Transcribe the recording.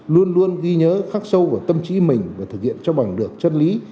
luôn luôn ghi nhớ khắc sâu vào tâm trí mình và thực hiện cho bằng được chân lý